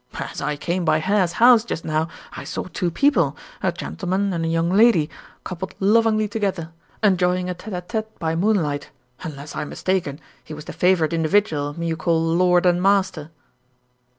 "As I came by Hare's house just now, I saw two people, a gentleman and a young lady, coupled lovingly together, enjoying a tete a tete by moonlight. Unless I am mistaken, he was the favored individual whom you call lord and master."